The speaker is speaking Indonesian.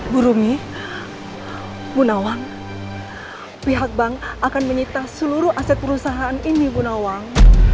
bu rumi gunawang pihak bank akan menyita seluruh aset perusahaan ini bu nawang